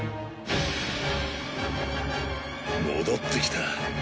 戻ってきた。